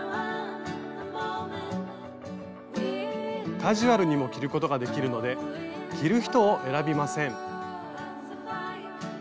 カジュアルにも着ることができるので着る人を選びません。